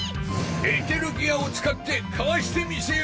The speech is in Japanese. エーテルギアを使ってかわしてみせよ！